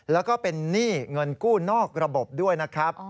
แล้วก็เป็นหนี้เงินกู้นอกระบบด้วยนะครับ